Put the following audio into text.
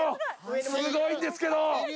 すごいんですけど。